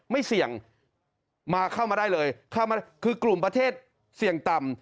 ไม่เสี่ยงมาเข้ามาได้เลยเข้ามาคือกลุ่มประเทศเสี่ยงต่ำ